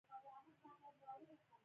لکه نور او هوا څه شی دي؟